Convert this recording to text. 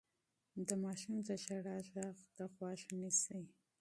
د ماشوم د ژړا غږ ته غوږ شئ.